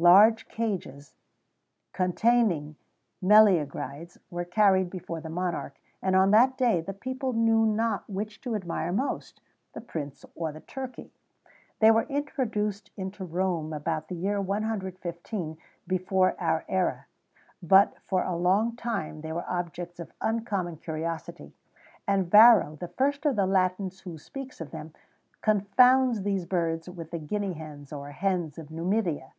Large cages, containing meleagrides, were carried before the monarch, and on that day the people knew not which to admire most the prince or the turkey.[XVII 106] They were introduced into Rome about the year 115 before our era; but, for a long time, they were objects of uncommon curiosity: and Varro, the first of the Latins who speaks of them, confounds these birds with the guinea hens, or hens of Numidia.